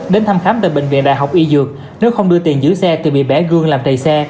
đến thăm khám tại bệnh viện đại học y dược nếu không đưa tiền giữ xe thì bị bẻ gương làm đầy xe